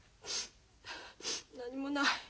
何にもない。